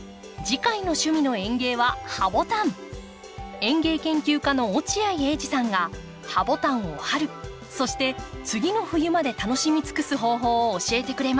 園芸研究家の落合英司さんがハボタンを春そして次の冬まで楽しみつくす方法を教えてくれます。